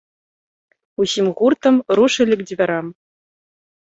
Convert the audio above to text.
Усім гуртам рушылі к дзвярам.